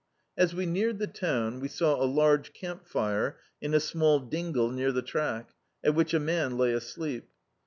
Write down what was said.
As we neared the town we saw a large camp iire in a small dingle near the track, at which a man lay asleep.